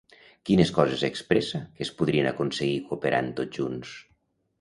Quines coses expressa que es podrien aconseguir cooperant tots junts?